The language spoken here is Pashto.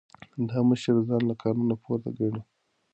دا مشر ځان له قانون پورته ګڼي.